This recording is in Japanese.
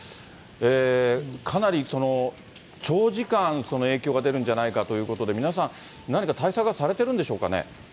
かなり長時間、影響が出るんじゃないかということで、皆さん何か対策はされてるんでしょうかね。